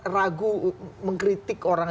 ragu mengkritik orang